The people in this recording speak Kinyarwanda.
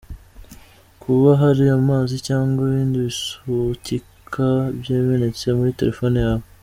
Kuba hari amazi cyangwa ibindi bisukika byamenetse muri telefone yawe .